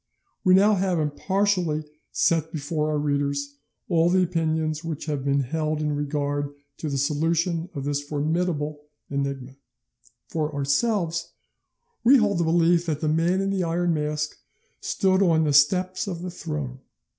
We have now impartially set before our readers all the opinions which have been held in regard to the solution of this formidable enigma. For ourselves, we hold the belief that the Man in the Iron Mask stood on the steps of the throne.